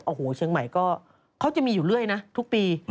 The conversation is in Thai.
โอ้โหเชียงใหม่ก็เขาจะมีอยู่เรื่อยนะทุกปี